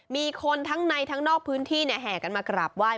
มีคนทั้งในทั้งนอกพื้นที่แห่กันมากราบไหว้